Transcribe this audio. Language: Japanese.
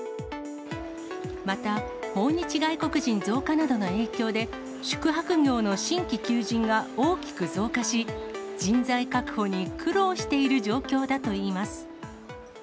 また、訪日外国人増加などの影響で、宿泊業の新規求人が大きく増加し、人材確保に苦労している状況だといいます。